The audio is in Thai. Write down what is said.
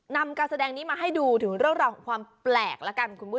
นำการแสดงนี้มาให้ดูถึงเรื่องราวของความแปลก